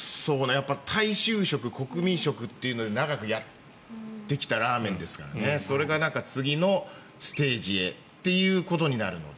やっぱり大衆食、国民食というので長くやってきたラーメンですからそれが次のステージへということになるので。